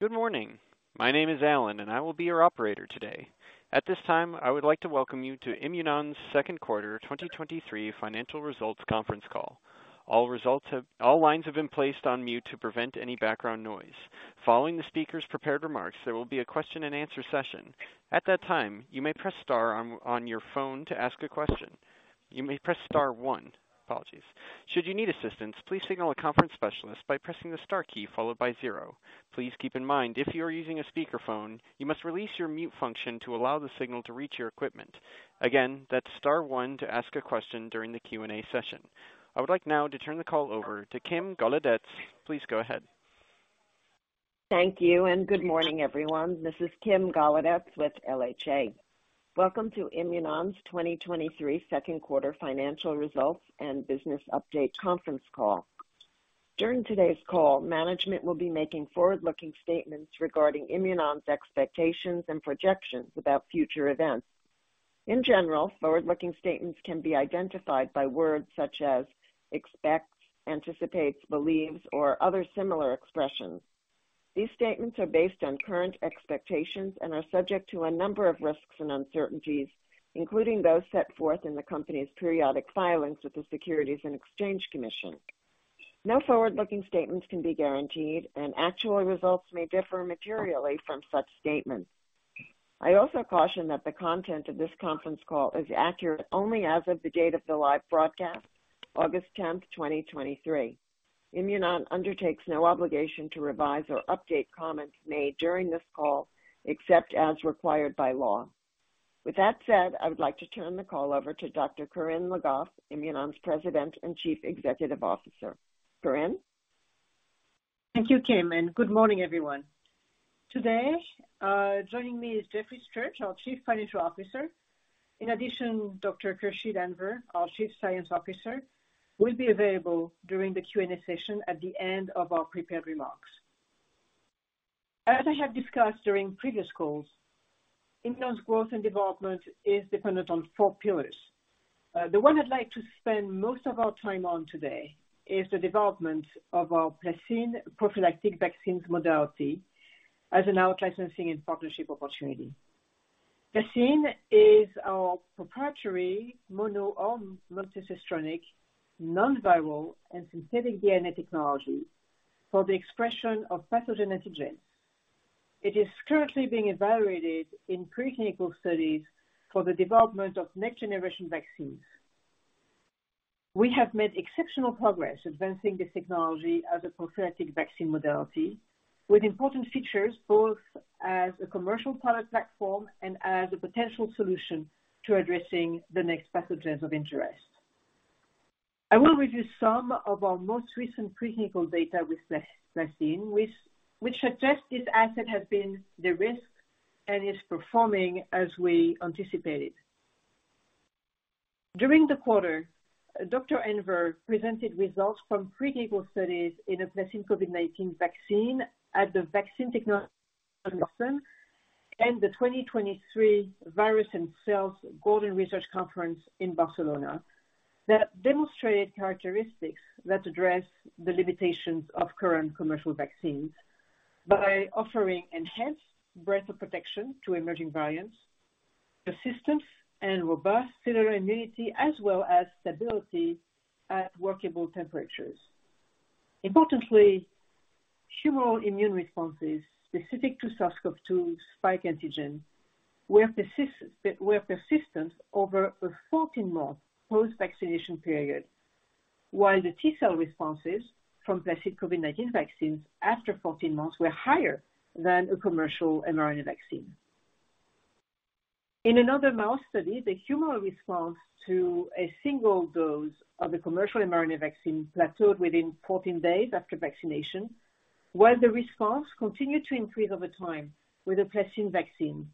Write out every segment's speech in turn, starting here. Good morning. My name is Alan. I will be your operator today. At this time, I would like to welcome you to Imunon’s Q2 2023 financial results conference call. All lines have been placed on mute to prevent any background noise. Following the speaker's prepared remarks, there will be a question and answer session. At that time, you may press star on your phone to ask a question. You may press star one. Apologies. Should you need assistance, please signal a conference specialist by pressing the star key followed by zero. Please keep in mind, if you are using a speakerphone, you must release your mute function to allow the signal to reach your equipment. Again, that's star one to ask a question during the Q&A session. I would like now to turn the call over to Kim Golodetz. Please go ahead. Thank you, and good morning, everyone. This is Kim Golodetz with LHA. Welcome to Imunon’s 2023 Q2 financial results and business update conference call. During today's call, management will be making forward-looking statements regarding Imunon’s expectations and projections about future events. In general, forward-looking statements can be identified by words such as expects, anticipates, believes, or other similar expressions. These statements are based on current expectations and are subject to a number of risks and uncertainties, including those set forth in the company's periodic filings with the Securities and Exchange Commission. No forward-looking statements can be guaranteed, and actual results may differ materially from such statements. I also caution that the content of this conference call is accurate only as of the date of the live broadcast, August 10, 2023. Imunon undertakes no obligation to revise or update comments made during this call, except as required by law. With that said, I would like to turn the call over to Dr. Corinne Le Goff, Imunon’s President and Chief Executive Officer. Corinne? Thank you, Kim, and good morning, everyone. Today, joining me is Jeffrey Church, our Chief Financial Officer. In addition, Dr. Khursheed Anwer, our Chief Scientific Officer, will be available during the Q&A session at the end of our prepared remarks. As I have discussed during previous calls, Imunon’s growth and development is dependent on four pillars. The one I'd like to spend most of our time on today is the development of our PlaCCine prophylactic vaccines modality as an out-licensing and partnership opportunity. PlaCCine is our proprietary mono- or multicistronic, non-viral, and synthetic DNA technology for the expression of pathogenic genes. It is currently being evaluated in preclinical studies for the development of next-generation vaccines. We have made exceptional progress advancing this technology as a prophylactic vaccine modality, with important features both as a commercial product platform and as a potential solution to addressing the next pathogens of interest. I will review some of our most recent preclinical data with PlaCCine, which suggest this asset has been de-risked and is performing as we anticipated. During the quarter, Dr. Anwer presented results from preclinical studies in a PlaCCine COVID-19 vaccine at the Vaccine Technology Boston and the 2023 Viruses and Cells Gordon Research Conference in Barcelona, that demonstrated characteristics that address the limitations of current commercial vaccines by offering enhanced breadth of protection to emerging variants, persistence and robust cellular immunity, as well as stability at workable temperatures. Importantly, humoral immune responses specific to SARS-CoV-2 spike antigen were persistent over a 14-month post-vaccination period, while the T-cell responses from PlaCCine COVID-19 vaccines after 14 months were higher than a commercial mRNA vaccine. In another mouse study, the humoral response to a single dose of the commercial mRNA vaccine plateaued within 14 days after vaccination, while the response continued to increase over time with a PlaCCine vaccine,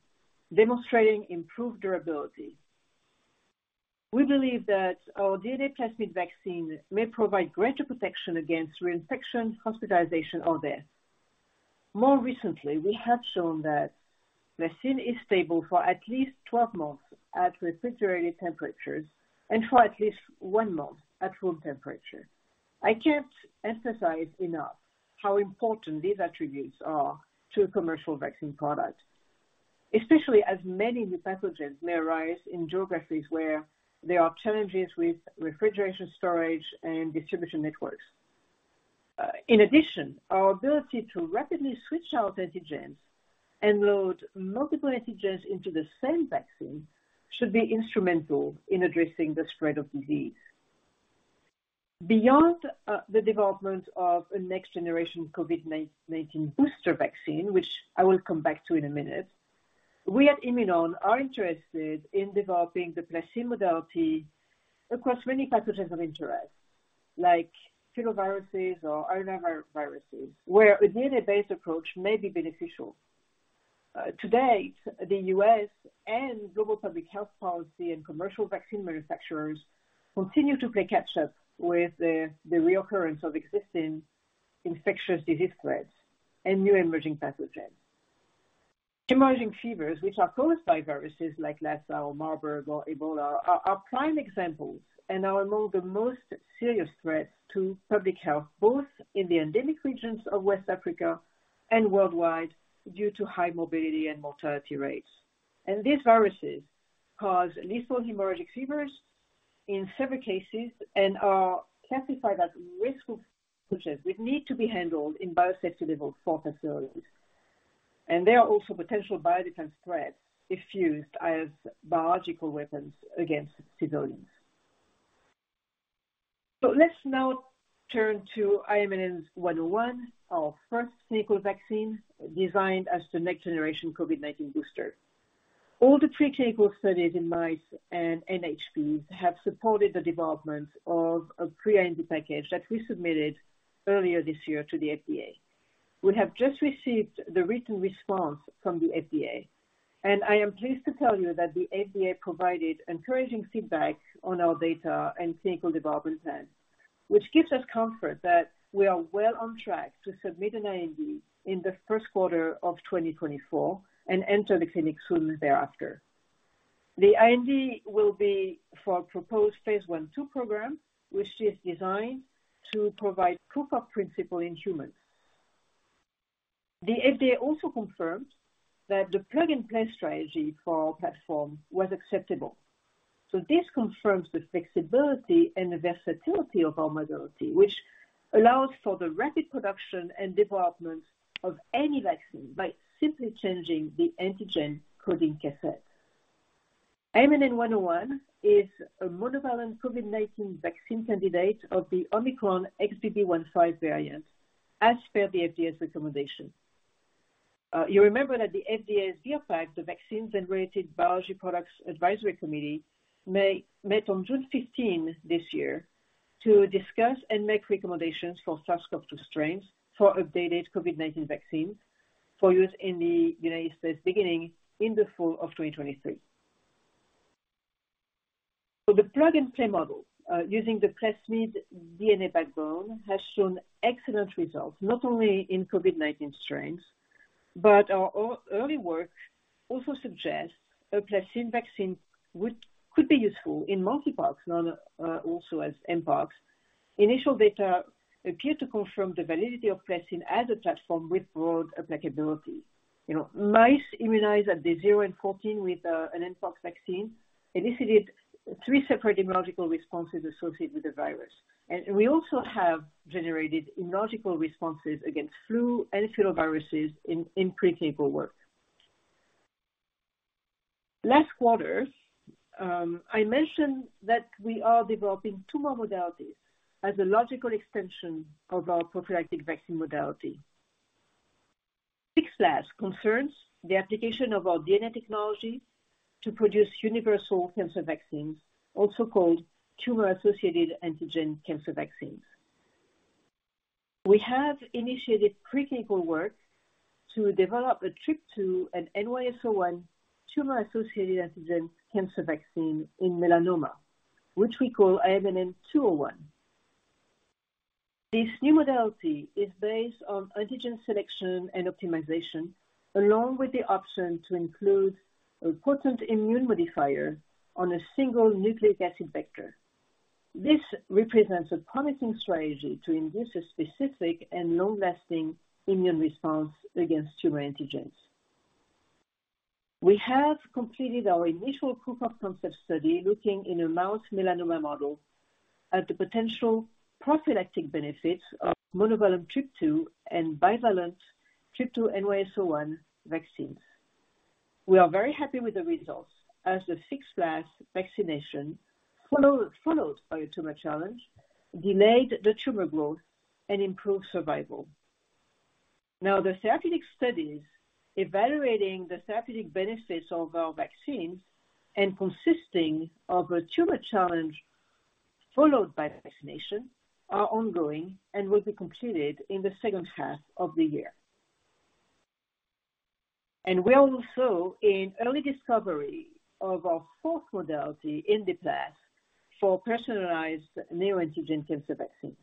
demonstrating improved durability. We believe that our DNA plasmid vaccine may provide greater protection against reinfection, hospitalization, or death. More recently, we have shown that PlaCCine is stable for at least 12 months at refrigerated temperatures and for at least one month at room temperature. I can't emphasize enough how important these attributes are to a commercial vaccine product, especially as many new pathogens may arise in geographies where there are challenges with refrigeration, storage, and distribution networks. In addition, our ability to rapidly switch out antigens and load multiple antigens into the same vaccine should be instrumental in addressing the spread of disease. Beyond the development of a next-generation COVID-19 booster vaccine, which I will come back to in a minute, we at Imunon are interested in developing the PlaCCine modality across many pathogens of interest, such as filoviruses or arenaviruses, where a DNA-based approach may be beneficial. To date, the U.S. and global public health policymakers and commercial vaccine manufacturers continue to play catch-up with the reoccurrence of existing infectious disease threats and new emerging pathogens. Hemorrhagic fevers, which are caused by viruses like Lassa, Marburg or Ebola, are prime examples and are among the most serious threats to public health, both in the endemic regions of West Africa and worldwide, due to high morbidity and mortality rates. These viruses cause lethal hemorrhagic fevers in severe cases and are classified as Risk Group agents, which need to be handled in biosafety level 4 facilities. They are also potential biodefense threats if used as biological weapons against civilians. Let's now turn to IMNN-101, our first clinical vaccine, designed as the next-generation COVID-19 booster. All the preclinical studies in mice and NHP have supported the development of a pre-IND package that we submitted earlier this year to the FDA. We have just received the written response from the FDA, and I am pleased to tell you that the FDA provided encouraging feedback on our data and clinical development plan, which gives us comfort that we are well on track to submit an IND in the Q1 2024 and enter the clinic soon thereafter. The IND will be for a proposed Phase 1/2 program, which is designed to provide proof of principle in humans. The FDA also confirmed that the plug-and-play strategy for our platform was acceptable. This confirms the flexibility and the versatility of our modality, which allows for the rapid production and development of any vaccine by simply changing the antigen-coding cassette. IMNN-101 is a monovalent COVID-19 vaccine candidate of the Omicron XBB.1.5 variant, as per the FDA's recommendation. You remember that the FDA VRBPAC, the Vaccines and Related Biological Products Advisory Committee, may met on June 15 this year to discuss and make recommendations for SARS-CoV-2 strains for updated COVID-19 vaccines for use in the United States, beginning in the fall of 2023. The plug-and-play model, using the plasmid DNA backbone, has shown excellent results, not only in COVID-19 strains, but our early work also suggests a plasmid vaccine could be useful in mpox. Initial data appear to confirm the validity of plasmid DNA as a platform with broad applicability. You know, mice immunized at day 0 and 14 with an mpox vaccine, elicited three separate immunological responses associated with the virus. We also have generated immunological responses against influenza and enteroviruses in preclinical work. Last quarter, I mentioned that we are developing two more modalities as a logical extension of our prophylactic vaccine modality. Six last concerns the application of our DNA technology to produce universal cancer vaccines, also called tumor-associated antigen cancer vaccines. We have initiated preclinical work to develop a TRP-2 and NY-ESO-1 tumor-associated antigen cancer vaccine in melanoma, which we call IMNN-201. This new modality is based on antigen selection and optimization, along with the option to include a potent immune modifier on a single nucleic acid vector. This represents a promising strategy to induce a specific and long-lasting immune response against tumor antigens. We have completed our initial proof of concept study, looking in a mouse melanoma model at the potential prophylactic benefits of monovalent TRP-2 and bivalent TRP-2/NY-ESO-1 vaccines. We are very happy with the results, as the fixed last vaccination followed by a tumor challenge, delayed the tumor growth and improved survival. The therapeutic studies evaluating the therapeutic benefits of our vaccines and consisting of a tumor challenge followed by vaccination, are ongoing and will be completed in the H2 of the year. We are also in early discovery of our fourth modality in the past for personalized neoantigen cancer vaccines.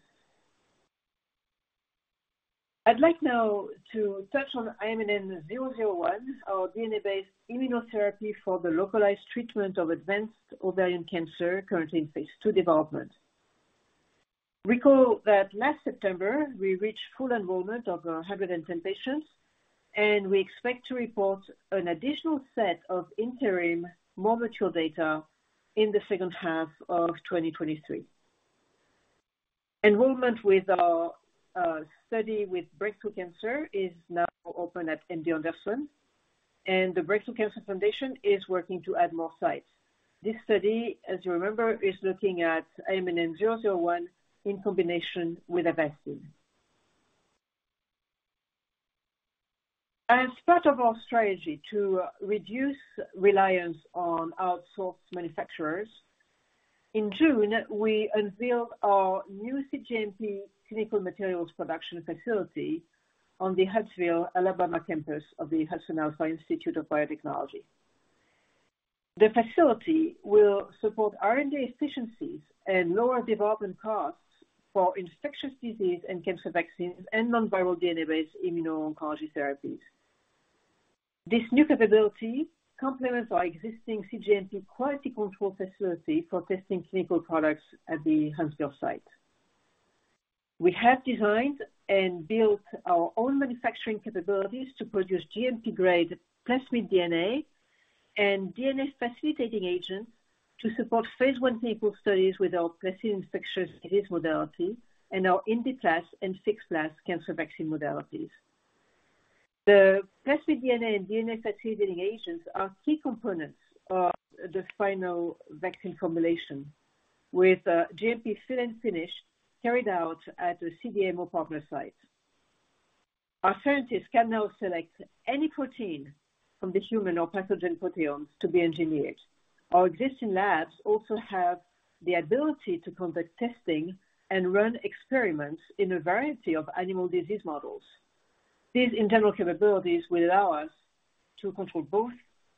I'd like now to touch on IMNN-001, our DNA-based immunotherapy for the localized treatment of advanced ovarian cancer, currently in Phase II development. Recall that last September, we reached full enrollment of 110 patients, and we expect to report an additional set of interim more mature data in the H2 2023. Enrollment with our study with breast cancer is now open at MD Anderson, and the Breast Cancer Foundation is working to add more sites. This study, as you remember, is looking at IMNN-001 in combination with Avastin. As part of our strategy to reduce reliance on outsourced manufacturers, in June, we unveiled our new cGMP-compliant clinical materials production facility on the Huntsville, Alabama, campus of the HudsonAlpha Institute for Biotechnology. The facility will support R&D efficiencies and lower development costs for infectious disease and cancer vaccines and non-viral DNA-based immuno-oncology therapies. This new capability complements our existing cGMP-compliant quality control facility for testing clinical products at the Huntsville site. We have designed and built our own manufacturing capabilities to produce GMP-grade DNA plasmid and DNA-facilitating agents to support Phase I clinical studies with our PlaCCine infectious disease modality and our IndiPlas and FixPlas cancer vaccine modalities. The DNA plasmid and DNA-facilitating agents are key components of the final vaccine formulation, with GMP fill-and-finish carried out at the CDMO partner site. Our scientists can now select any protein from the human or pathogen proteomes to be engineered. Our existing labs also have the ability to conduct testing and run experiments in a variety of animal disease models. These internal capabilities will allow us to control both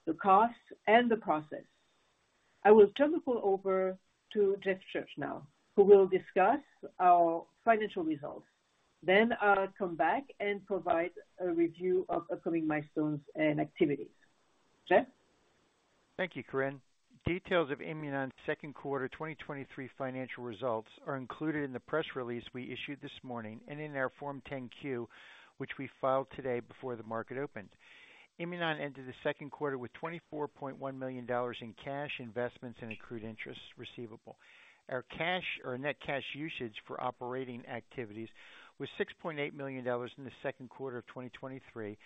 the cost and the process. I will turn the call over to Jeff Church now, who will discuss our financial results. I'll come back and provide a review of upcoming milestones and activities. Jeff? Thank you, Corinne. Details of Imunon’s Q2 2023 financial results are included in the press release we issued this morning and in our Form 10-Q, which we filed today before the market opened. Imunon ended the Q2 with $24.1 million in cash investments and accrued interest receivable. Our cash or net cash usage for operating activities was $6.8 million in the Q2 2023,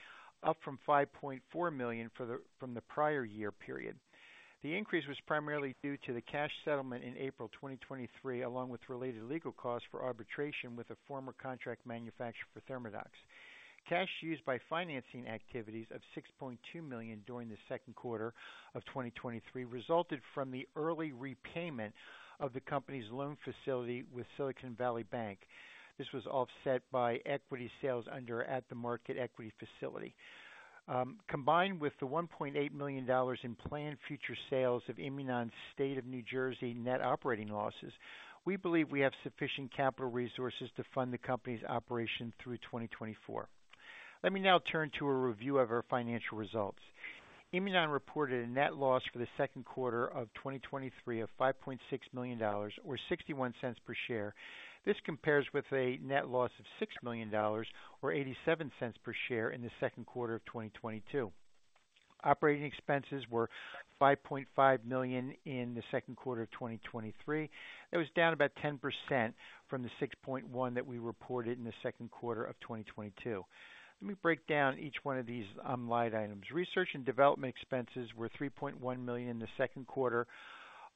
up from $5.4 million from the prior year period. The increase was primarily due to the cash settlement in April 2023, along with related legal costs for arbitration with a former contract manufacturer for ThermoDox. Cash used by financing activities of $6.2 million during the Q2 2023 resulted from the early repayment of the company's loan facility with Silicon Valley Bank. This was offset by equity sales under the at-the-market equity facility. Combined with the $1.8 million in planned future sales of Imunon’s State of New Jersey net operating losses, we believe we have sufficient capital resources to fund the company's operation through 2024. Let me now turn to a review of our financial results. Imunon reported a net loss for the Q2 2023 of $5.6 million or $0.61 per share. This compares with a net loss of $6 million or $0.87 per share in the Q2 of 2022. Operating expenses were $5.5 million in the Q2 2023. That was down about 10% from the $6.1 million that we reported in the Q2 2022. Let me break down each one of these line items. Research and development expenses were $3.1 million in the Q2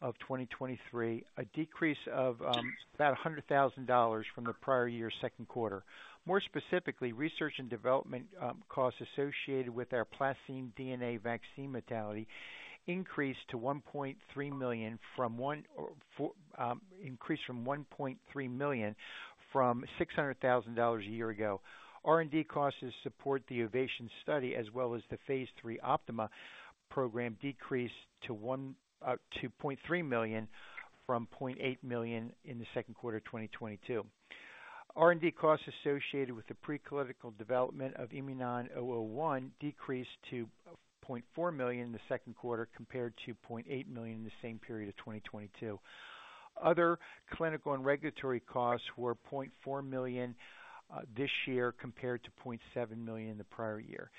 2023, a decrease of about $100,000 from the prior year's Q2. More specifically, research and development costs associated with our PlaCCine DNA vaccine modality increased to $1.3 million from increased from $1.3 million from $600,000 a year ago. R&D costs support the OVATION study as well as the Phase III OPTIMA program, decreased to $0.3 million from $0.8 million in the Q2 of 2022. R&D costs associated with the preclinical development of IMNN-001 decreased to $0.4 million in the Q2, compared to $0.8 million in the same period of 2022. Other clinical and regulatory costs were $0.4 million this year, compared to $0.7 million in the prior year.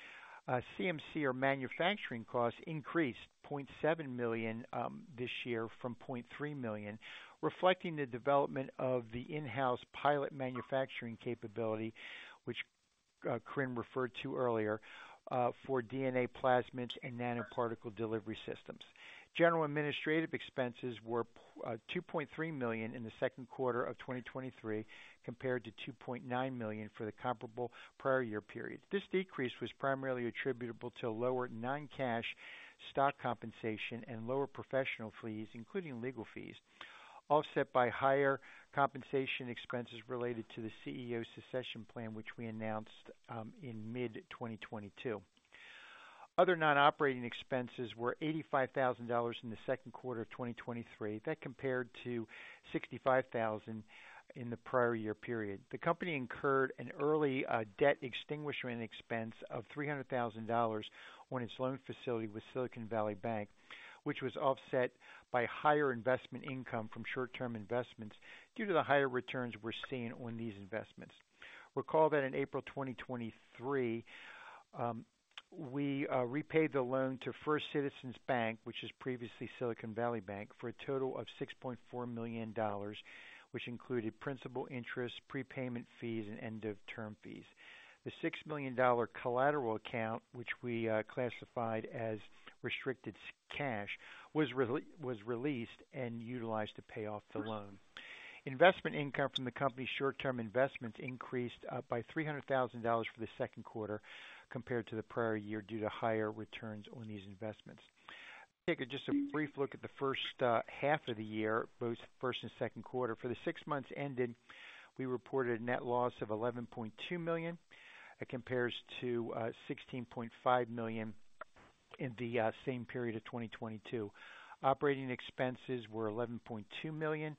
CMC or manufacturing costs increased $0.7 million this year from $0.3 million, reflecting the development of the in-house pilot manufacturing capability, which Corinne referred to earlier, for DNA plasmids and nanoparticle delivery systems. General and administrative expenses were $2.3 million in the Q2 2023, compared to $2.9 million for the comparable prior year period. This decrease was primarily attributable to lower non-cash stock compensation and lower professional fees, including legal fees, offset by higher compensation expenses related to the CEO succession plan, which we announced in mid-2022. Other non-operating expenses were $85,000 in the Q2 2023. That compared to $65,000 in the prior year period. The company incurred an early debt extinguishment expense of $300,000 on its loan facility with Silicon Valley Bank, which was offset by higher investment income from short-term investments due to the higher returns we're seeing on these investments. Recall that in April 2023, we repaid the loan to First Citizens Bank, which is previously Silicon Valley Bank, for a total of $6.4 million, which included principal interest, prepayment fees, and end of term fees. The $6 million collateral account, which we classified as restricted cash, was released and utilized to pay off the loan. Investment income from the company's short-term investments increased by $300,000 for the Q2 compared to the prior year, due to higher returns on these investments. Take a just a brief look at the first half of the year, both first and Q2. For the six months ended, we reported a net loss of $11.2 million. That compares to $16.5 million. In the same period of 2022. Operating expenses were $11.2 million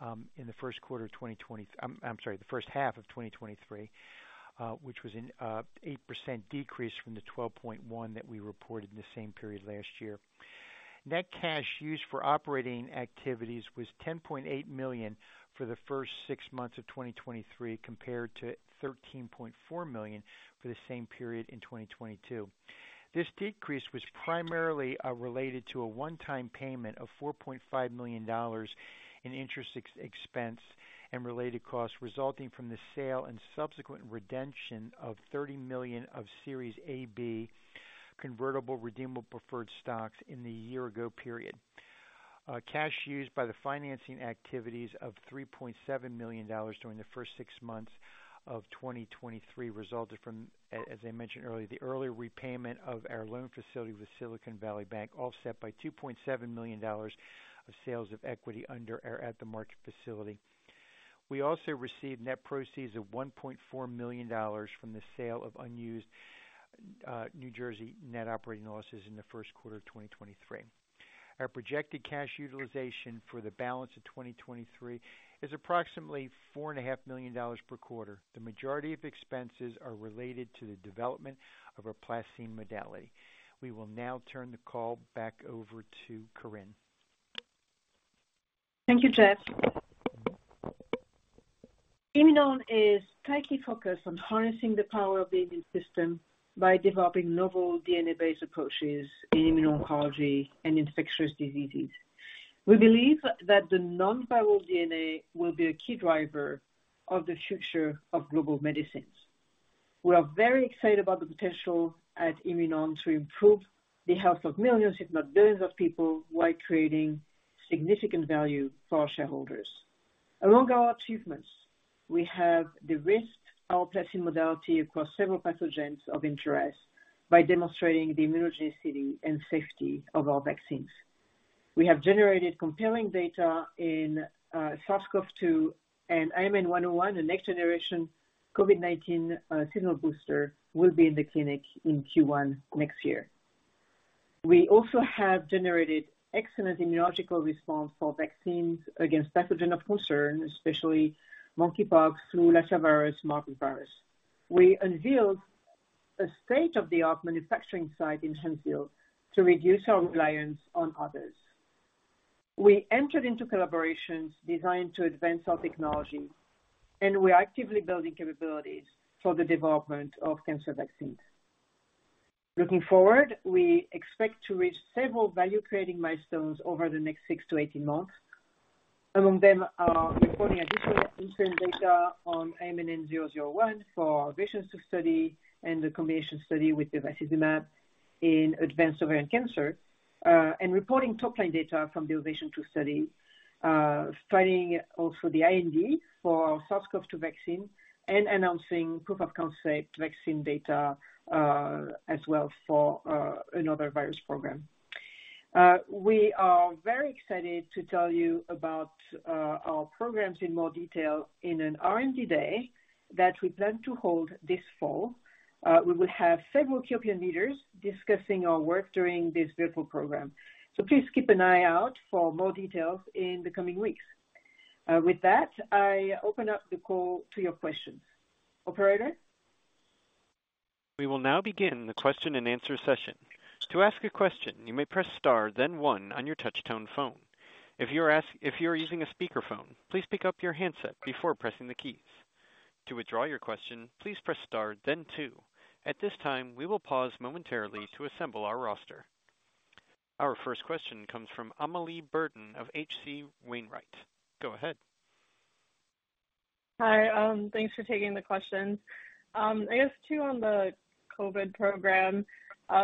in the H1 2023, which was an 8% decrease from the $12.1 million that we reported in the same period last year. Net cash used for operating activities was $10.8 million for the first six months of 2023, compared to $13.4 million for the same period in 2022. This decrease was primarily related to a one-time payment of $4.5 million in interest expense and related costs, resulting from the sale and subsequent redemption of $30 million of Series A, Series B convertible redeemable preferred stock in the year ago period. Cash used by the financing activities of $3.7 million during the first six months of 2023 resulted from, as I mentioned earlier, the earlier repayment of our loan facility with Silicon Valley Bank, offset by $2.7 million of sales of equity under or at the market facility. We also received net proceeds of $1.4 million from the sale of unused State of New Jersey net operating losses in the Q1 2023. Our projected cash utilization for the balance of 2023 is approximately $4.5 million per quarter. The majority of expenses are related to the development of our PlaCCine modality. We will now turn the call back over to Corinne. Thank you, Jeff. Imunon is tightly focused on harnessing the power of the immune system by developing novel DNA-based approaches in immuno-oncology and infectious diseases. We believe that the non-viral DNA will be a key driver of the future of global medicines. We are very excited about the potential at Imunon to improve the health of millions, if not billions, of people, while creating significant value for our shareholders. Among our achievements, we have de-risked our PlaCCine modality across several pathogens of interest by demonstrating the immunogenicity and safety of our vaccines. We have generated compelling data in SARS-CoV-2 and IMNN-101, the next generation COVID-19 signal booster will be in the clinic in Q1 next year. We also have generated excellent immunological response for vaccines against pathogen of concern, especially mpox, influenza, Lassa virus and Marburg virus. We unveiled a state-of-the-art manufacturing site in Huntsville to reduce our reliance on others. We entered into collaborations designed to advance our technology. We're actively building capabilities for the development of cancer vaccines. Looking forward, we expect to reach several value-creating milestones over the next six to 18 months. Among them are reporting additional interim data on IMNN-001 for our OVATION 2 study and the combination study with bevacizumab in advanced ovarian cancer, and reporting top line data from the OVATION 2 study. Filing also the IND for SARS-CoV-2 vaccine and announcing proof of concept vaccine data as well for another virus program. We are very excited to tell you about our programs in more detail in an R&D day that we plan to hold this fall. We will have several key opinion leaders discussing our work during this virtual program, so please keep an eye out for more details in the coming weeks. With that, I open up the call to your questions. Operator? We will now begin the question-and-answer session. To ask a question, you may press star, then one on your touchtone phone. If you are using a speakerphone, please pick up your handset before pressing the keys. To withdraw your question, please press star then two. At this time, we will pause momentarily to assemble our roster. Our first question comes from Emily Bodnar of H.C. Wainwright. Go ahead. Hi, thanks for taking the questions. I guess two on the COVID program.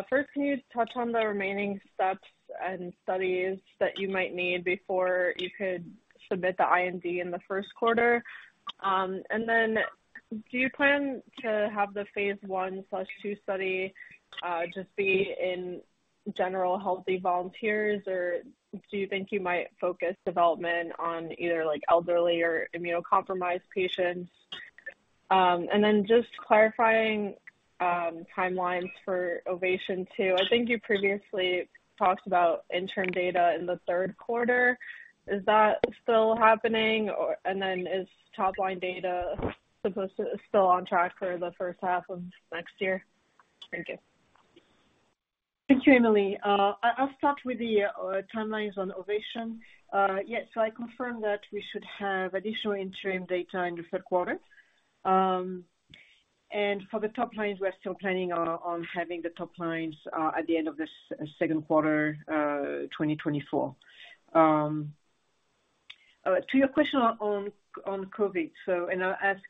First, can you touch on the remaining steps and studies that you might need before you could submit the IND in the Q1? Do you plan to have the Phase I/II study just be in general healthy volunteers, or do you think you might focus development on either, like, elderly or immunocompromised patients? Just clarifying timelines for OVATION 2. I think you previously talked about interim data in the third quarter. Is that still happening, top-line data still on track for the H1 of next year? Thank you. Thank you, Emily. I'll, I'll start with the timelines on OVATION. Yes, I confirm that we should have additional interim data in the Q3. For the top-lines, we're still planning on, on having the top lines at the end of this Q2 2024. To your question on COVID. I'll ask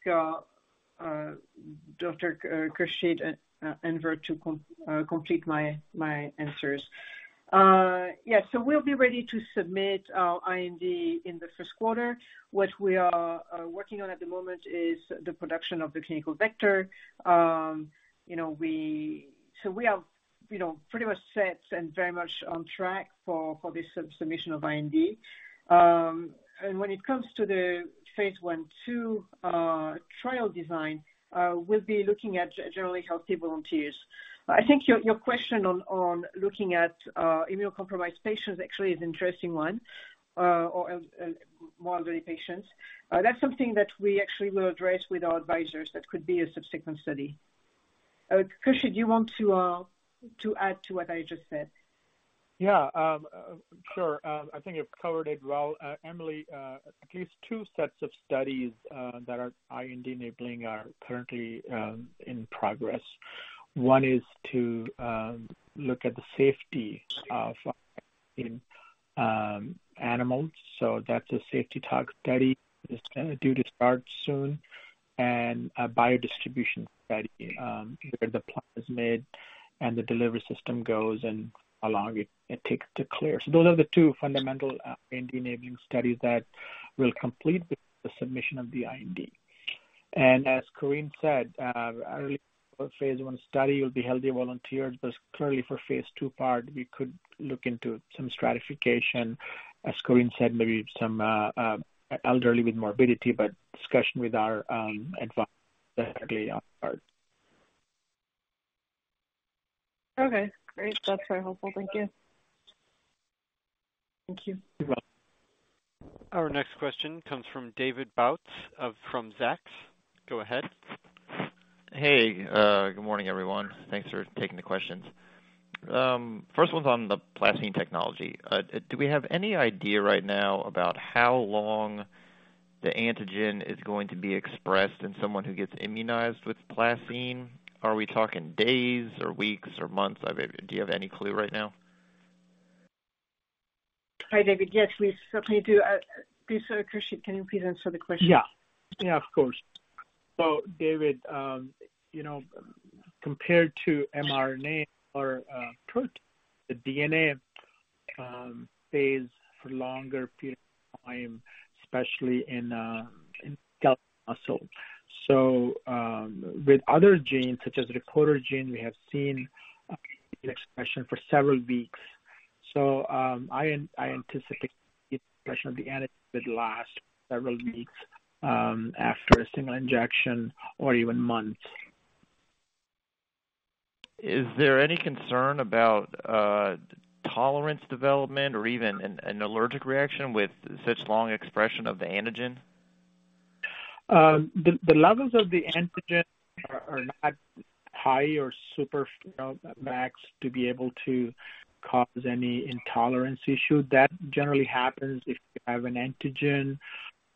Dr. Khursheed Anwer to complete my answers. Yeah, we'll be ready to submit our IND in the Q1. What we are, are working on at the moment is the production of the clinical vector. You know, we are, you know, pretty much set and very much on track for, for this submission of IND. When it comes to the Phase I/II trial design, we'll be looking at generally healthy volunteers. I think your, your question on, on looking at, immunocompromised patients actually is an interesting one, or, more elderly patients. That's something that we actually will address with our advisors. That could be a subsequent study. Krusheed, do you want to, to add to what I just said? Yeah, sure. I think you've covered it well. Emily, at least two sets of studies that are IND-enabling are currently in progress. One is to look at the safety of animals. That's a safety toxicology study. It's due to start soon, and a biodistribution study where the plan is made and the delivery system goes, and how long it takes to clear. Those are the two fundamental IND-enabling studies that will complete the submission of the IND. As Corinne said, early phase I study will be healthy volunteers, but clearly for Phase II part, we could look into some stratification. As Corinne said, maybe some elderly with morbidity, but discussion with our advisors definitely on our part. Okay, great. That's very helpful. Thank you. Thank you. You're welcome. Our next question comes from David Bautz of, from Zacks. Go ahead. Hey, good morning, everyone. Thanks for taking the questions. First one's on the PlaCCine technology. Do we have any idea right now about how long the antigen is going to be expressed in someone who gets immunized with PlaCCine? Are we talking days, or weeks, or months? Do you have any clue right now? Hi, David. Yes, we certainly do. Please, Khrusheed, can you please answer the question? Yeah. Yeah, of course. David, you know, compared to mRNA or protein, the DNA stays for longer period of time, especially in skeletal muscle. With other genes, such as the reporter gene, we have seen the expression for several weeks. I anticipate the expression of the antigen will last several weeks after a single injection or even months. Is there any concern about tolerance development or even an allergic reaction with such long expression of the antigen? The, the levels of the antigen are, are not high or super, you know, maxed to be able to cause any intolerance issue. That generally happens if you have an antigen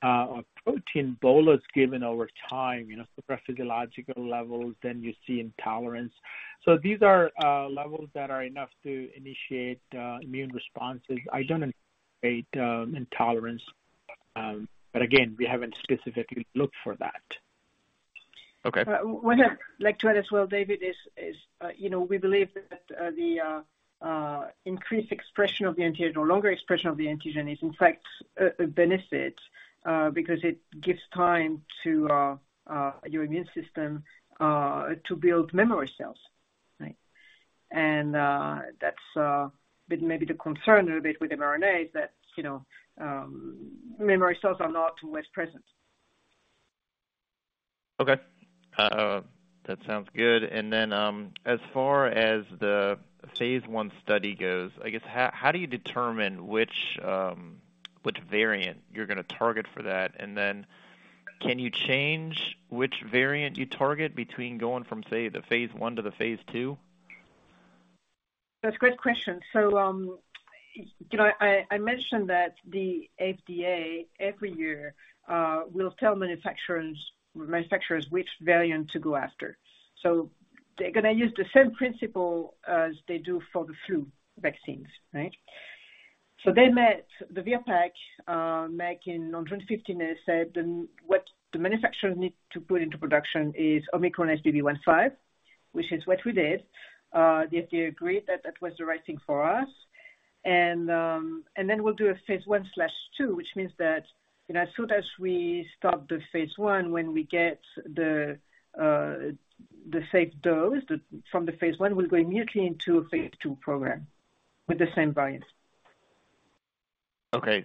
or protein bolus given over time, you know, physiological levels, then you see intolerance. These are levels that are enough to initiate immune responses. I don't anticipate intolerance, but again, we haven't specifically looked for that. Okay. What I'd like to add as well, David, we believe that, the, increased expression of the antigen or longer expression of the antigen is, in fact, a, a benefit, because it gives time to, your immune system, to build memory cells. Right? That's, maybe the concern a little bit with mRNA is that, you know, memory cells are not always present. Okay. That sounds good. Then, as far as the Phase I study goes, I guess, how do you determine which, which variant you're going to target for that? Then can you change which variant you target between going from, say, the Phase I to the Phase II? That's a great question. I, mentioned that the FDA, every year, will tell manufacturers which variant to go after. They're going to use the same principle as they do for the influenza vaccines, right? They met, the VRBPAC, back in, on 2015, they said then what the manufacturer needs to put into production is Omicron XBB.1.5, which is what we did. They, they agreed that that was the right thing for us. We'll do a Phase I/II, which means that, as soon as we start the Phase I, when we get the safe dose from the Phase I, we'll go immediately into a Phase II program with the same variant. Okay.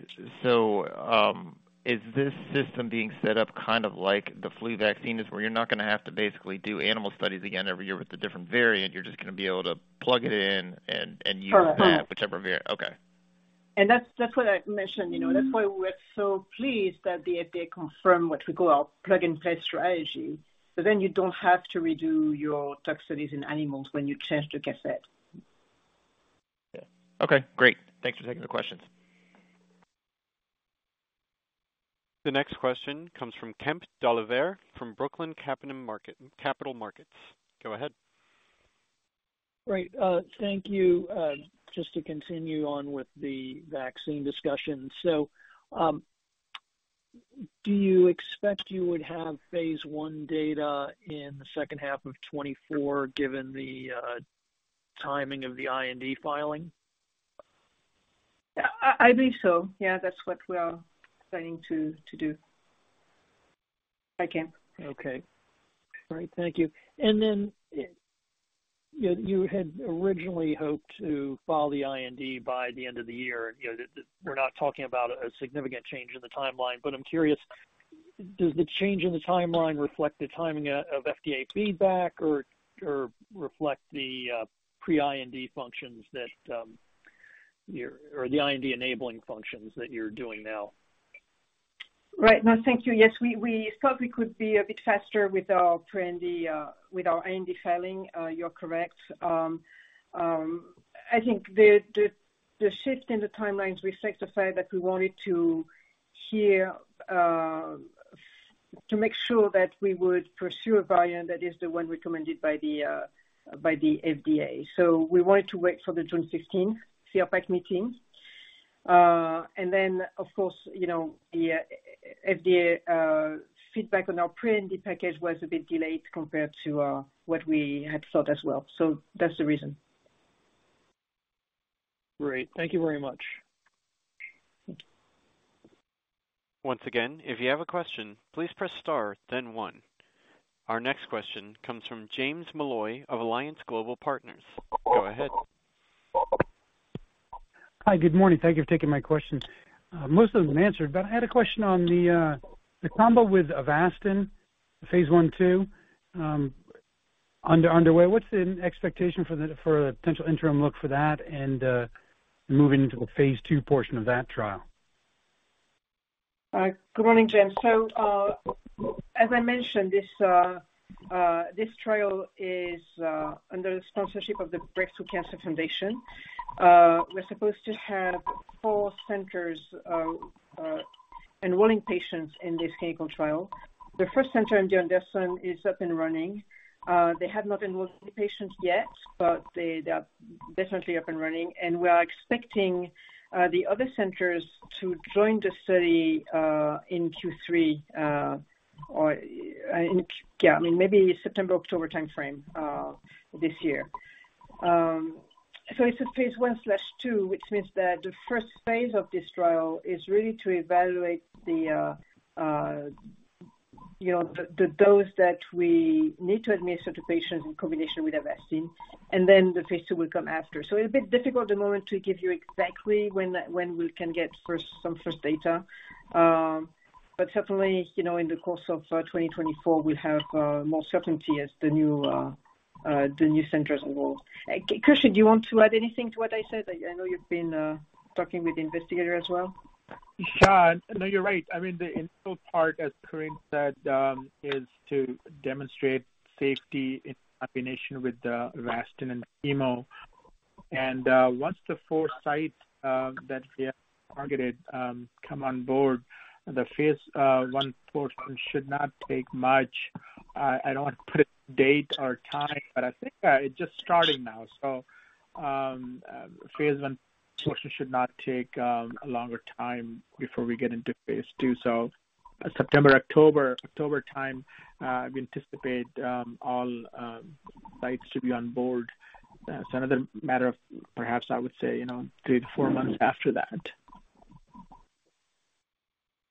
Is this system being set up kind of like the influenza vaccine is, where you're not going to have to basically do animal studies again every year with a different variant, you're just going to be able to plug it in and, and use... Correct. that, whichever variant. Okay. That's, what I mentioned, you know, that's why we're so pleased that the FDA confirmed what we call our plug-and-play strategy. Then you don't have to redo your toxicology studies in animals when you change the cassette. Okay, great. Thanks for taking the questions. The next question comes from Kemp Dolliver, from Brookline Capital Markets. Go ahead. Great. Thank you. Just to continue on with the vaccine discussion. Do you expect you would have Phase I data in the H2 2024, given the timing of the IND filing? I believe so. Yeah, that's what we are planning to do. Bye, Kemp. Okay. All right, thank you. You had originally hoped to file the IND by the end of the year. You know, we're not talking about a significant change in the timeline, but I'm curious, does the change in the timeline reflect the timing of FDA feedback or reflect the pre-IND functions that or the IND enabling functions that you're doing now? Right. No, thank you. Yes, we, we thought we could be a bit faster with our pre-IND, with our IND filing, you're correct. I think the shift in the timelines reflect the fact that we wanted to hear, to make sure that we would pursue a variant that is the one recommended by the FDA. We wanted to wait for the June 16, VRBPAC meeting. Then, of course, you know, the FDA feedback on our pre-IND package was a bit delayed compared to what we had thought as well. That's the reason. Great. Thank you very much. Once again, if you have a question, please press star, then one. Our next question comes from James Molloy of Alliance Global Partners. Go ahead. Hi, good morning. Thank you for taking my question. Most of them answered, but I had a question on the combo with Avastin, Phase I/II, underway. What's the expectation for the, for a potential interim look for that and moving into the Phase II portion of that trial? Good morning, James. As I mentioned, this trial is under the sponsorship of the Break Through Cancer. We're supposed to have four centers enrolling patients in this clinical trial. The first center in MD Anderson is up and running. They have not enrolled the patients yet, but they, they are definitely up and running, and we are expecting the other centers to join the study in Q3, or in, yeah, I mean, maybe September-October timeframe, this year. It's a Phase I/II, which means that the first phase of this trial is really to evaluate the, you know, the dose that we need to administer to patients in combination with Avastin, and then the Phase II will come after. It's a bit difficult at the moment to give you exactly when that, when we can get first, some first data. But certainly, you know, in the course of 2024, we'll have more certainty as the new, the new centers evolve. Khrusheed, do you want to add anything to what I said? I, I know you've been talking with the investigator as well. Sure. No, you're right. I mean, the initial part, as Corinne said, is to demonstrate safety in combination with the Avastin and chemo. Once the four sites that we have targeted come on board, the Phase I portion should not take much. I don't want to put a date or time, but I think it's just starting now. Phase I portion should not take a longer time before we get into Phase II. September-October timeframe, we anticipate all sites to be on board. So another matter of perhaps, I would say, you know, three to four months after that.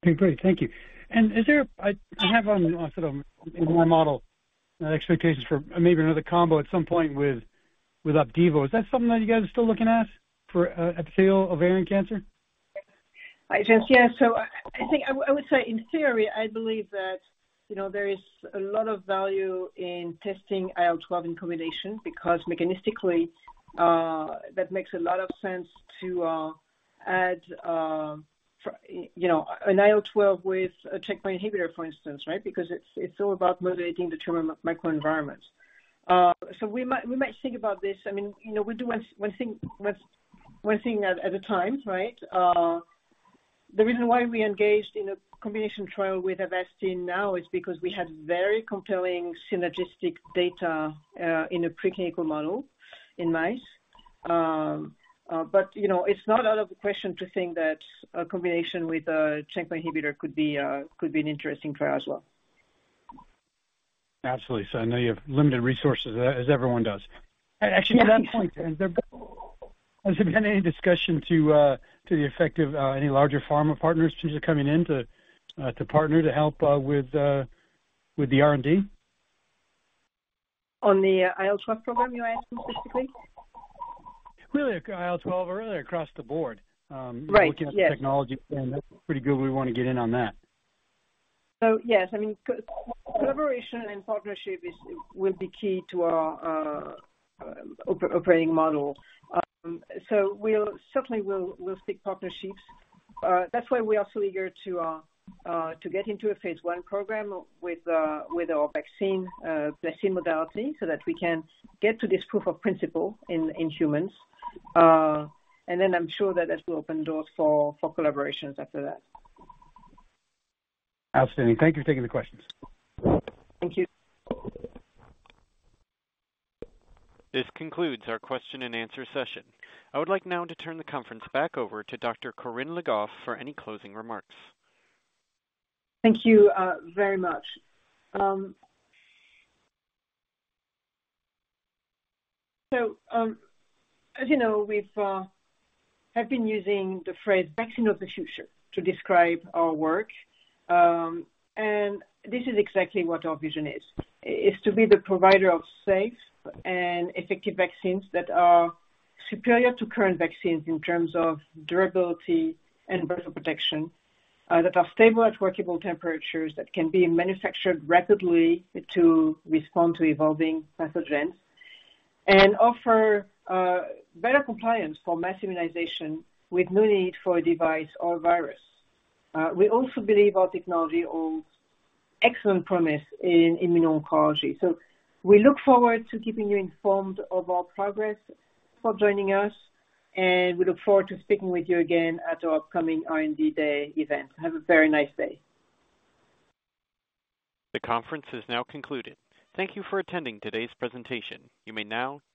Okay, great. Thank you. I have sort of in my model, expectations for maybe another combo at some point with Opdivo. Is that something that you guys are still looking at for epithelial ovarian cancer? Hi, James. Yeah. I think I, I would say in theory, I believe that, you know, there is a lot of value in testing IL-12 in combination, because mechanistically, that makes a lot of sense to add, you know, an IL-12 with a checkpoint inhibitor, for instance, right? Because it's, it's all about modulating the tumor microenvironment. We might, we might think about this. I mean, you know, we do one, one thing, one, one thing at a time, right? The reason why we engaged in a combination trial with Avastin now is because we had very compelling synergistic data, in a preclinical model in mice. You know, it's not out of the question to think that a combination with a checkpoint inhibitor could be, could be an interesting trial as well. Absolutely. I know you have limited resources, as everyone does. Actually, on that point, has there been any discussion to, to the effect of, any larger pharma partners just coming in to, to partner to help, with, with the R&D? On the IL-12 program, you're asking specifically? Really, IL-12 or really across the board. Right, yes. Looking at the technology, and that's pretty good, we want to get in on that. Yes, I mean, collaboration and partnership is, will be key to our operating model. We'll certainly will, we'll seek partnerships. That's why we are so eager to get into a Phase I program with our vaccine modality, so that we can get to this proof of principle in humans. Then I'm sure that this will open doors for collaborations after that. Outstanding. Thank you for taking the questions. Thank you. This concludes our question and answer session. I would like now to turn the conference back over to Dr. Corinne Le Goff for any closing remarks. Thank you very much. As you know, we've have been using the phrase "vaccine of the future" to describe our work, and this is exactly what our vision is. It's to be the provider of safe and effective vaccines that are superior to current vaccines in terms of durability and virtual protection, that are stable at workable temperatures, that can be manufactured rapidly to respond to evolving pathogens, and offer better compliance for mass immunization with no need for a device or virus. We also believe our technology holds excellent promise in immuno-oncology. We look forward to keeping you informed of our progress for joining us, and we look forward to speaking with you again at our upcoming R&D Day event. Have a very nice day. The conference is now concluded. Thank you for attending today's presentation. You may now disconnect.